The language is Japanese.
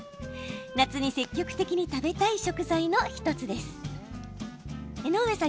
夏に積極的に食べたい食材の１つです。